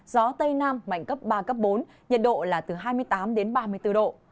gió tây nam mạnh cấp ba cấp bốn nhiệt độ là từ hai mươi tám đến ba mươi bốn độ